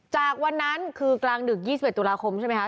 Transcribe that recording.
จากวันนั้นคือกลางดึก๒๑ตุลาคมใช่ไหมคะ